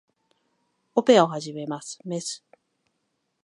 オペを始めます。メス